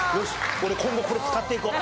俺今後これ使っていこう！